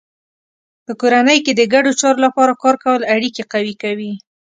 په کورنۍ کې د ګډو چارو لپاره کار کول اړیکې قوي کوي.